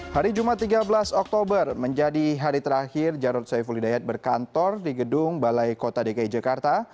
hari jumat tiga belas oktober menjadi hari terakhir jarod saiful hidayat berkantor di gedung balai kota dki jakarta